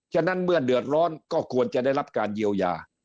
ฉะนั้นเมื่อเดือดร้อนก็ควรจะได้รับการเยียวยา